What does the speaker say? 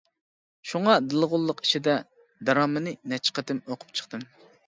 شۇڭا دېلىغۇللۇق ئىچىدە دىرامىنى نەچچە قېتىم ئوقۇپ چىقتىم.